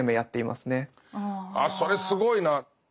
あそれすごいな。